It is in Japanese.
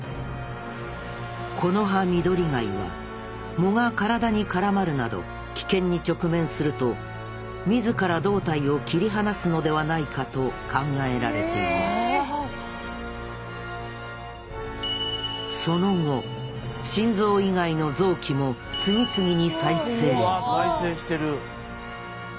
コノハミドリガイは藻が体に絡まるなど危険に直面すると自ら胴体を切り離すのではないかと考えられているその後心臓以外の臓器も次々に再生うわ再生してる！